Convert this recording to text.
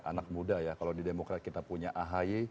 anak muda ya kalau di demokrat kita punya ahy